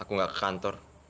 aku nggak ke kantor